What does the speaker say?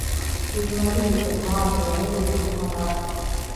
ډيپلوماسي د اعتماد جوړولو یوه مهمه لار ده.